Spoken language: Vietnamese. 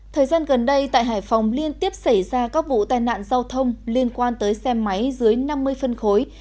thời gian gần đây tại hải phòng liên tiếp xảy ra các vụ tai nạn giao thông liên quan tới xe máy dưới năm mươi phân khối